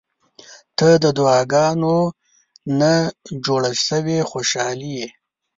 • ته د دعاګانو نه جوړه شوې خوشالي یې.